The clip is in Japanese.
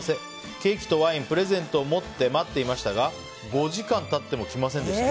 ケーキとワインプレゼントを持って待っていましたが５時間経っても来ませんでした。